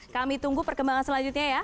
kami tunggu perkembangan selanjutnya ya